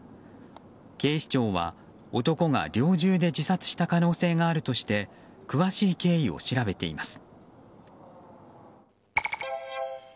警視庁は男が猟銃で自殺した可能性があるとして詳しい経緯を調べています。